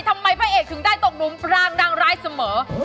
ทำไมพระเอกถึงได้ตกลุ้มรางนางร้ายเสมอ